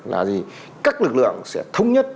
là gì các lực lượng sẽ thống nhất